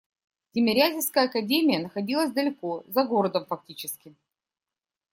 Тимирязевская академия находилась далеко, за городом фактически.